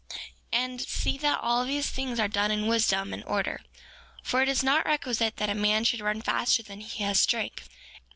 4:27 And see that all these things are done in wisdom and order; for it is not requisite that a man should run faster than he has strength.